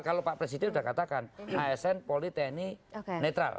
kalau pak presiden sudah katakan asn polri tni netral